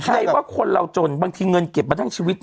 ใครว่าคนเราจนบางทีเงินเก็บมาทั้งชีวิต